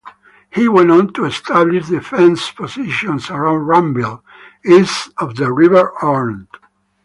He went on to establish defensive positions around Ranville, east of the River Orne.